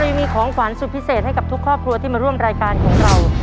ยังมีของขวัญสุดพิเศษให้กับทุกครอบครัวที่มาร่วมรายการของเรา